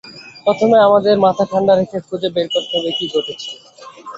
প্রথমে আমাদের মাথা ঠান্ডা রেখে খুঁজে বের করতে হবে কী ঘটেছে!